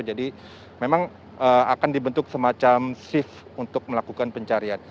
jadi memang akan dibentuk semacam shift untuk melakukan pencarian